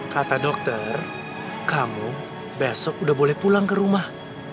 kata dokter kamu besok udah boleh pulang ke rumah